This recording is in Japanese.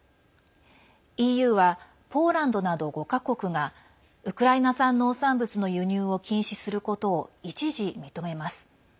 ＥＵはポーランドなど５か国がウクライナ産農産物の輸入を禁止することを、一時認めます。